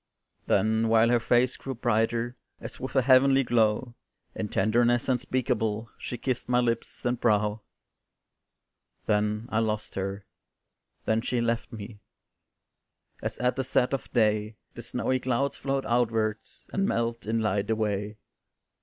Then while her face grew brighter As with a heavenly glow, In tenderness unspeakable, She kissed my lips and brow; Then I lost her then she left me, As at the set of day The snowy clouds float outward, And melt in light away.